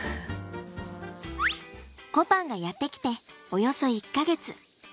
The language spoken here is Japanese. こぱんがやって来ておよそ１か月。